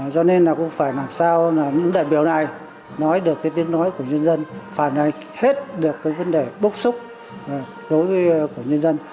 cho nên là cũng phải làm sao là những đại biểu này nói được cái tiếng nói của nhân dân phản hành hết được cái vấn đề bốc xúc đối với của nhân dân